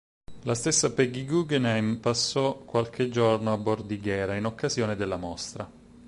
La stessa Peggy Guggenheim passò qualche giorno a Bordighera in occasione della mostra.